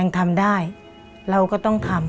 หนูอยากให้พ่อกับแม่หายเหนื่อยครับ